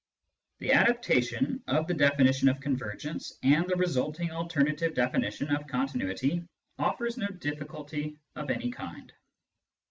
The adaptation of the definition of convergence and the resulting alternative definition of continuity offers no difficulty of any kind.